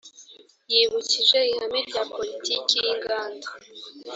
yibukije ihame rya politiki y inganda